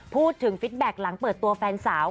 พูดถึงฟิตแบ็กซ์หลังเปิดตัวแฟนสาว